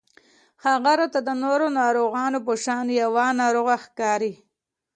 هغه راته د نورو ناروغانو په شان يوه ناروغه ښکاري